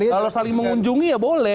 kalau saling mengunjungi ya boleh